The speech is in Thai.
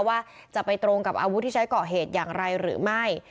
ว่าจะไปตรงกับอาวุธที่ใช้ก่อเหตุอย่างไรหรือไม่